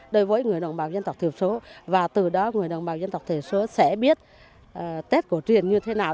đối với người đồng bào dân tộc thiểu số và từ đó người đồng bào dân tộc thiểu số sẽ biết tết cổ truyền như thế nào